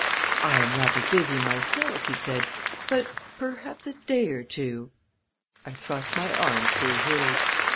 "I am rather busy myself," he said; "but perhaps a day or two " I thrust my arm through his.